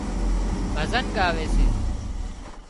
ڀزن ڳاوي سي